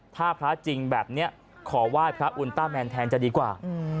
ถ้าพระจริงแบบเนี้ยขอว่าให้ก็คือพระอูลแต่ล์แมรนด์แทนจะดีกว่า